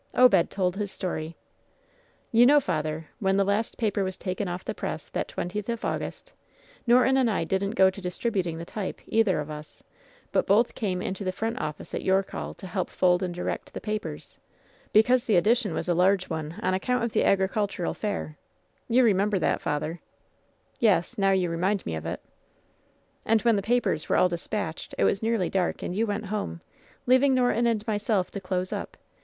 Obed told his story : "You know, father, when the last paper was taken off the press that twentieth of August, Norton and I didn't liOVE'S BITTEREST CUP 215 go to distributing the type, either of us, but both came into the front office at your call to help to f oid and direct the papers, because the edition was a large one on a<y count of the agricultural fair. You remember that, father r "Yes, now you remind me of it.'* "And when the papers were all dispatched it was nearly dark, and you went home, leaving Norton and myself to close up.